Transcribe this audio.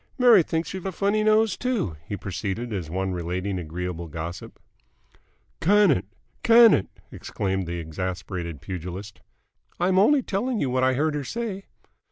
Mary thinks you've a funny nose, too," he proceeded, as one relating agreeable gossip. "Can it! Can it!" exclaimed the exasperated pugilist. "I'm only telling you what I heard her say."